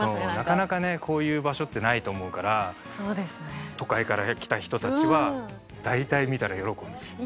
なかなかこういう場所ってないと思うから都会から来た人たちは大体見たら喜んでる。